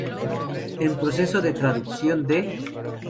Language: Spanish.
En proceso de traducción de